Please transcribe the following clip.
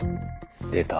出た。